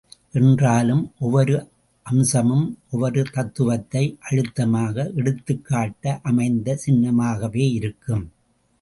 என்றாலும், ஒவ்வொரு அம்சமும் ஒவ்வொரு தத்துவத்தை அழுத்தமாக எடுத்துக்காட்ட அமைந்த சின்னமாகவே இருக்கும்.